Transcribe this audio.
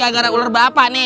gak gara ular bapak nih